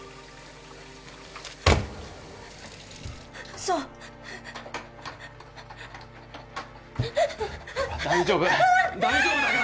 嘘大丈夫大丈夫だから！